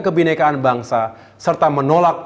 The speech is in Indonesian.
kebenekaan bangsa serta menolak